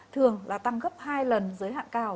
thường là tăng gấp hai lần dưới hạn cao